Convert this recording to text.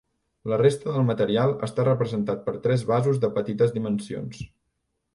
La resta del material està representat per tres vasos de petites dimensions.